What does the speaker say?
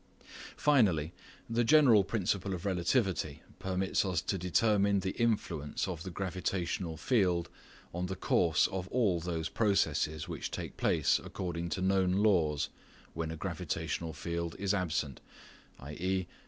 Finally, the general principle of relativity permits us to determine the influence of the gravitational field on the course of all those processes which take place according to known laws when a gravitational field is absent i.e.